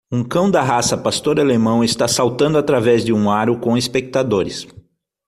Um cão da raça pastor alemão está saltando através de um aro com espectadores.